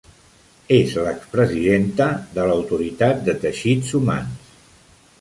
És l'expresidenta de l'Autoritat de Teixits Humans.